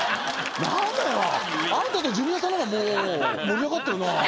なんだよ。あんたとジュニアさんの方がもう盛り上がったよな。